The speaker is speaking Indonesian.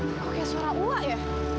kok kayak suara uwah ya